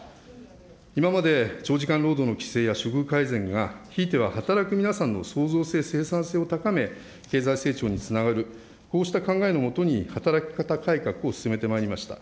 今まで長時間労働の規制や処遇改善が、ひいては働く皆さんが創造性、生産性を高め、経済成長につながる、こうした考えのもとに、働き方改革を進めてまいりました。